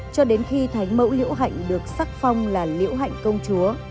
cho đến khi thánh mẫu liễu hạnh được sắc phong là liễu hạnh công chúa